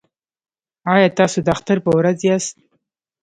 ایا تاسو د اختر په ورځ یاست؟